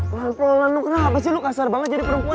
woi masalah lo kenapa sih lo kasar banget jadi perempuan